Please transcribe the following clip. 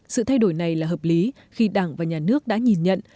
sự thay đổi này là hợp lý khi đảng và nhà nước đã nhìn nhận